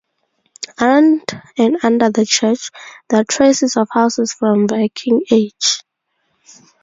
Around and under the church, there are traces of houses from Viking Age.